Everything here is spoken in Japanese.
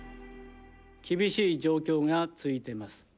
厳しい状況が続いています。